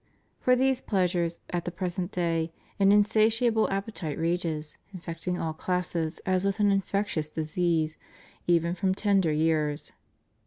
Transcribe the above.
For these pleasures, at the present day, an insatiable appetite rages, infecting all classes as with an infectious disease, even from tender years.